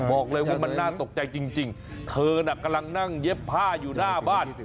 บอกเลยว่ามันน่าตกใจจริงเธอน่ะกำลังนั่งเย็บผ้าอยู่หน้าบ้าน